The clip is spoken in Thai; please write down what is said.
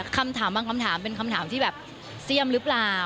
คำถามบางคำถามเป็นคำถามที่แบบเสี่ยมหรือเปล่า